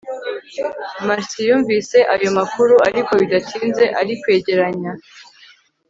marcy yumvise ayo makuru, ariko bidatinze arikwegeranya